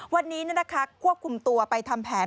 วันนี้นี่นะคะควบคุมตัวไปทำแผน